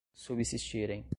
subsistirem